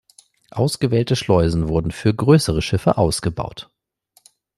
Ausgewählte Schleusen wurden für größere Schiffe ausgebaut.